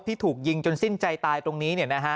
ที่ถูกยิงจนสิ้นใจตายตรงนี้